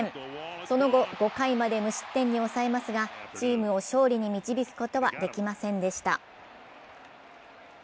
その後、５回まで無失点に抑えますがチームを勝利に導くことはできませんでした。